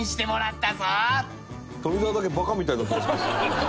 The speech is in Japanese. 富澤だけバカみたいな顔してる。